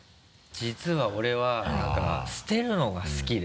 実は俺は捨てるのが好きで。